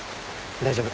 大丈夫。